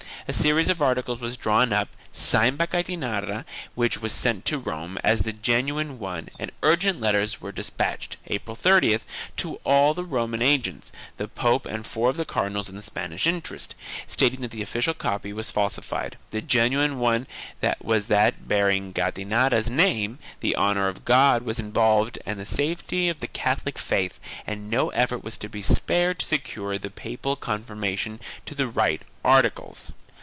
A series of articles was drawn up, signed by Gattinara, which was sent to Rome as the genuine one and urgent letters were despatched, April 30th, to all the Roman agents, the pope and four of the cardinals in the Spanish interest, stating that the official copy was falsified, the genuine one was that bearing Gattinara's name, the honor of God was involved and the safety of the Catholic faith and no effort was to be spared to secure the papal confirmation of the right articles.